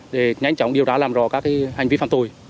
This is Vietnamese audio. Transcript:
để nhanh chóng điều tra làm rõ các hành vi phạm tội